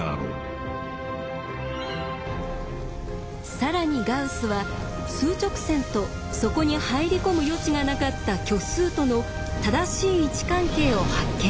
更にガウスは数直線とそこに入り込む余地がなかった虚数との正しい位置関係を発見します。